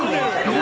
「何？